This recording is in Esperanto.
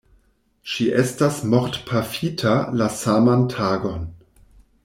Ŝi estas mortpafita la saman tagon.